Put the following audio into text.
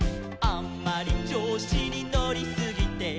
「あんまりちょうしにのりすぎて」